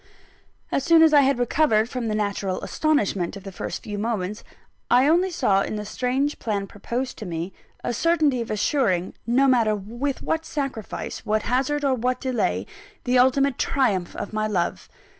As soon as I had recovered from the natural astonishment of the first few moments, I only saw in the strange plan proposed to me, a certainty of assuring no matter with what sacrifice, what hazard, or what delay the ultimate triumph of my love.